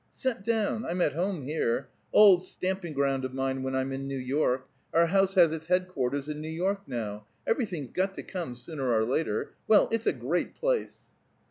Set down! I'm at home here. Old stamping ground of mine, when I'm in New York; our house has its headquarters in New York, now; everything's got to come, sooner or later. Well, it's a great place."